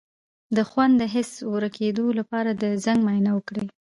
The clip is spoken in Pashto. د خوند د حس د ورکیدو لپاره د زنک معاینه وکړئ